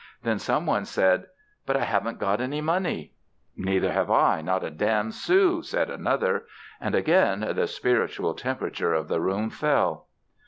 Then some one said: "But I haven't got any money." "Neither have I not a damn sou!" said another. And again the spiritual temperature of the room fell.